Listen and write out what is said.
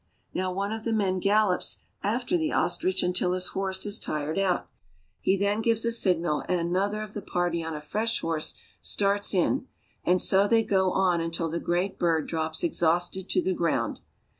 Now one of the men gallops after the ostrich until his horse is tired out. He then gives a signal and another of the party on a fresh horse starts in, and so they go on until the great bird drops exhausted to the ground.